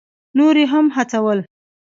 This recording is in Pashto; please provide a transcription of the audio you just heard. نور یې هم هڅول.